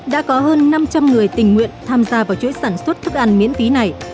đã có hơn năm trăm linh người tình nguyện tham gia vào chuỗi sản xuất thức ăn miễn phí này